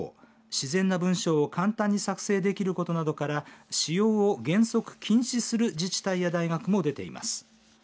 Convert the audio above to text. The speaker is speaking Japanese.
自然な文章を簡単に作成できることなどから使用を原則禁止する自治体や大学も出ています。